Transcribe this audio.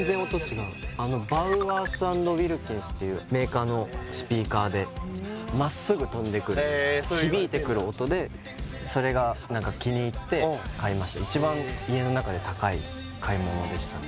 あのＢｏｗｅｒｓ＆Ｗｉｌｋｉｎｓっていうメーカーのスピーカーでまっすぐ飛んでくる響いてくる音でそれが何か気に入って買いました一番家の中で高い買い物でしたね